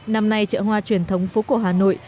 năm nay chợ hoa truyền thống phố cổ hà nội